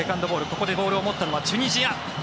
ここでボールを持ったのはチュニジア。